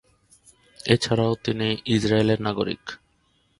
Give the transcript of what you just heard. এছাড়াও তিনি ইসরায়েলের নাগরিক।